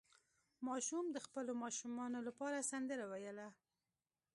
ماشوم د خپلو ماشومانو لپاره سندره ویله.